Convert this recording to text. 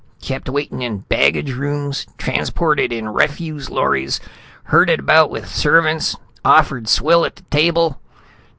Kept waiting in baggage rooms, transported in refuse lorries, herded about with servants, offered swill at table.